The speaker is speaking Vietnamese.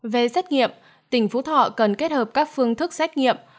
về xét nghiệm tỉnh phú thọ cần kết hợp các phương thức xét nghiệm